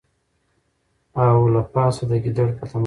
او له پاسه د ګیدړ په تماشې سو